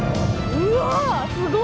うわ。